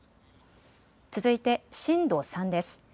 続いて震度３です。